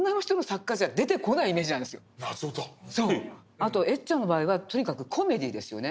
あとエッちゃんの場合はとにかくコメディーですよね。